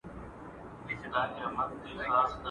دا به ټوله حاضریږي په میدان کي.